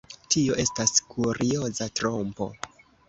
Tio estas kurioza trompo.